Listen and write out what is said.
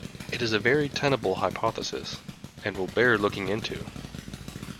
It is a very tenable hypothesis, and will bear looking into.